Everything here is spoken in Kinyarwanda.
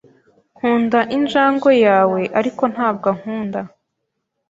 Nkunda injangwe yawe, ariko ntabwo ankunda.